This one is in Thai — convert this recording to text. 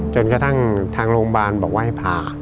จนกระทั่งทางโรงพยาบาลบอกว่าให้ผ่า